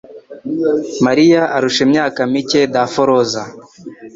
Mariya arusha imyaka mike daforoza.